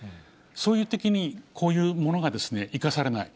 そういうときにこういうものが生かされない。